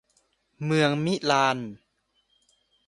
เมืองมิลาน